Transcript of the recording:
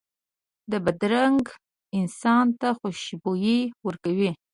بادرنګ انسان ته خوشبويي ورکوي.